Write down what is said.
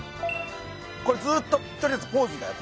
これずっととりあえずポーズだよ